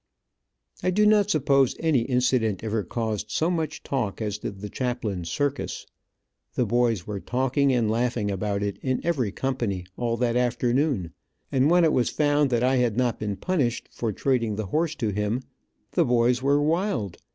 I do not suppose any incident ever caused so much talk as did the chaplain's circus. The boys were talking and laughing about it in every company all that afternoon, and when it was found that I had not been punished, for trading the horse to him, the boys were wild.